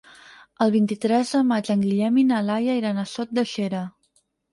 El vint-i-tres de maig en Guillem i na Laia iran a Sot de Xera.